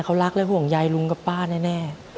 เขารักและห่วงใยลุงกับป้าแน่